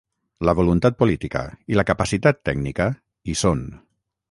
La voluntat política i la capacitat tècnica hi són.